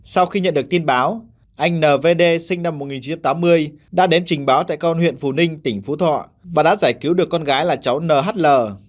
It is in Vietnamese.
sau khi nhận được tin báo anh n vd sinh năm một nghìn chín trăm tám mươi đã đến trình báo tại con huyện phù ninh tỉnh phú thọ và đã giải cứu được con gái là cháu nhl